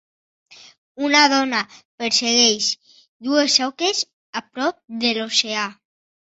Una dona persegueix dues oques a prop de l"oceà.